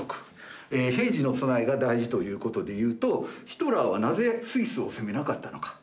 平時の備えが大事ということでいうとヒトラーはなぜスイスを攻めなかったのか。